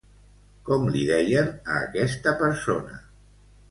Com li deien a aquesta persona?